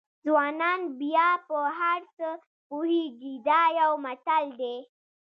ځوانان بیا په هر څه پوهېږي دا یو متل دی.